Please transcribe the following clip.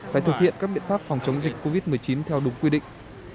phải thực hiện các biện pháp phòng chống dịch covid một mươi chín theo đúng quy định